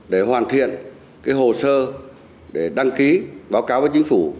để hoàn thiện hồ sơ để đăng ký báo cáo với chính phủ